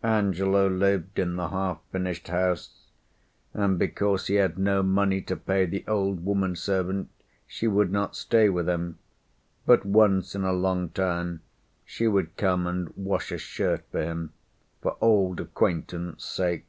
Angelo lived in the half finished house, and because he had no money to pay the old woman servant she would not stay with him, but once in a long time she would come and wash a shirt for him for old acquaintance' sake.